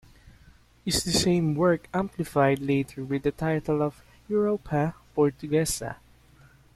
Is the same work amplified later with the title of "Europa portuguesa".